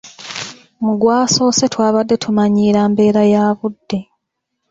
Mu gwasoose twabadde tumanyiira mbeera ya budde.